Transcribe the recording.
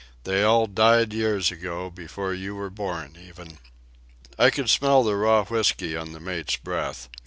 They all died years ago, before you were born even." I could smell the raw whiskey on the mate's breath.